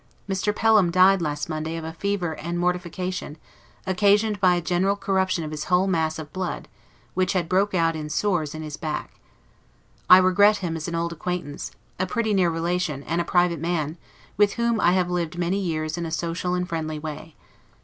Mr. Pelham died last Monday of a fever and mortification, occasioned by a general corruption of his whole mass of blood, which had broke out into sores in his back. I regret him as an old acquaintance, a pretty near relation, and a private man, with whom I have lived many years in a social and friendly way.